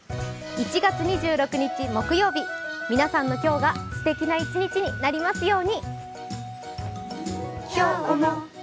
１月２６日木曜日皆さんの今日がすてきな一日になりますように。